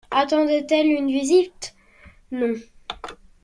Attendait-elle une visite ? non.